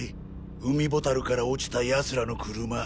海ボタルから落ちた奴らの車。